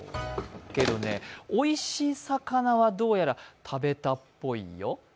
けどね、おいしい魚はどうやら食べたっぽいよ。